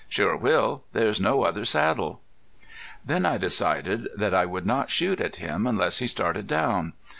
"Sure will. There's no other saddle." Then I decided that I would not shoot at him unless he started down.